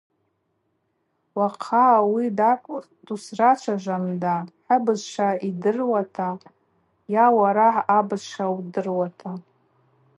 Уахъа ауи тӏакӏв дусрачважванда хӏыбызшва йдыруата, йа уара абызшва удыруата.